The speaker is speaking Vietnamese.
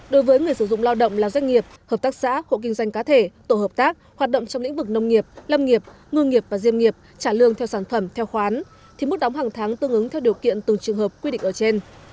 đối với người sử dụng lao động là doanh nghiệp hợp tác xã hộ kinh doanh cá thể tổ hợp tác hoạt động trong lĩnh vực nông nghiệp lâm nghiệp ngư nghiệp và diêm nghiệp trả lương theo sản phẩm theo khoán thì mức đóng hàng tháng tương ứng theo điều kiện từng trường hợp quy định ở trên